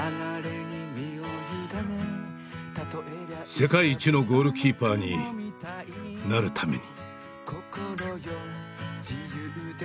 世界一のゴールキーパーになるために。